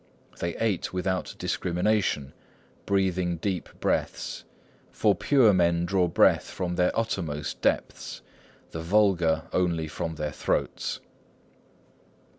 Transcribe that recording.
They ate without discrimination, breathing deep breaths. For pure men draw breath from their uttermost depths; the vulgar only from their throats."